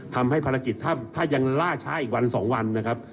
ทำให้ภารกิจถ้ายังล่าช้าอีกวัน๒วันนะครับ